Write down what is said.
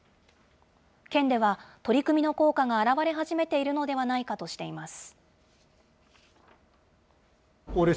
県では、取り組みの効果が表れ始めているのではないかとしています。